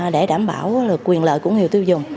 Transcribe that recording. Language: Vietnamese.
để đảm bảo quyền lợi của nhiều tiêu dùng